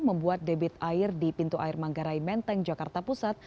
membuat debit air di pintu air manggarai menteng jakarta pusat